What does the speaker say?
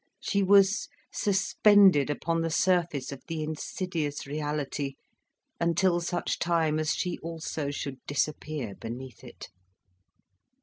She was suspended upon the surface of the insidious reality until such time as she also should disappear beneath it.